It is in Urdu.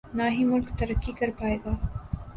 نہ ہی ملک ترقی کر پائے گا۔